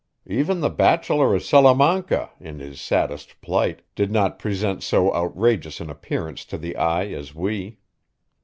Even the Bachelor of Salamanca, in his saddest plight, did not present so outrageous an appearance to the eye as we.